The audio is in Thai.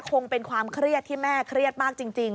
คงเป็นความเครียดที่แม่เครียดมากจริง